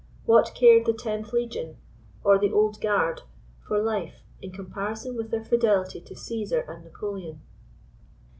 What cared the * Tenth Legion' or the * Old Guard' for life in comparison with their fidelity to Cesar and Napoleon?